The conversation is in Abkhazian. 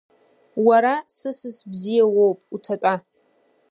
Уара сысас бзиа уоуп, уҭатәа.